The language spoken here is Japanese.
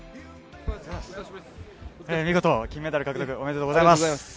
見事、金メダル獲得、おめでとうございます。